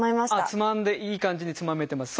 つまんでいい感じにつまめてます。